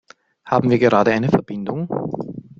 Haben wir gerade eine Verbindung?